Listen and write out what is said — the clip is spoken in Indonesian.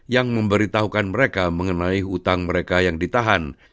yang memberitahukan mereka mengenai hutang mereka yang ditahan